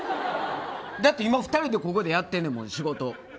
だって今２人でここでやってんねんもん、仕事。